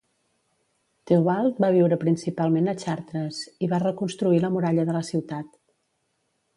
Teobald va viure principalment a Chartres i va reconstruir la muralla de la ciutat.